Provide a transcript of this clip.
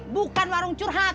bukan warung curhat